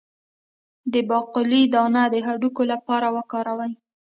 د باقلي دانه د هډوکو لپاره وکاروئ